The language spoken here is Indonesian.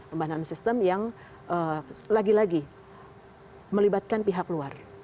pembanaan sistem yang lagi lagi melibatkan pihak luar